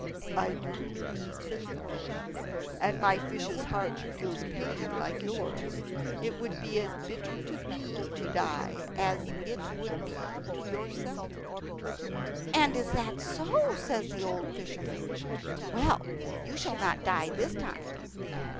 "I do," says the fish. "And my fish's heart feels pain like yours. It would be as bitter to me to die as it would be to yourself." "And is that so?" says the old fisherman. "Well, you shall not die this time."